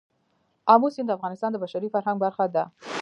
آمو سیند د افغانستان د بشري فرهنګ برخه ده.